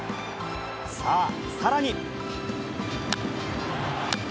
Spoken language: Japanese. さあ、さらに。